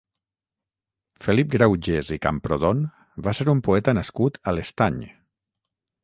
Felip Graugés i Camprodon va ser un poeta nascut a l'Estany.